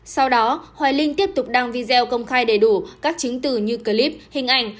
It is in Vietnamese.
sau đó hoài linh tiếp tục đăng video công khai đầy đủ các chứng từ như clip hình ảnh